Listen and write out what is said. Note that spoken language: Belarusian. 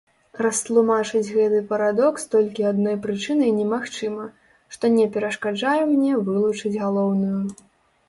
Растлумачыць гэты парадокс толькі адной прычынай немагчыма, што не перашкаджае мне вылучыць галоўную.